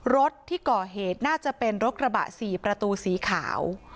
รถที่ก่อเหตุน่าจะเป็นรถกระบะ๔ประตูสีขาว